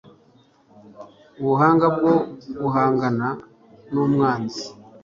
Ubuhanga bwo guhangana n'umwanzi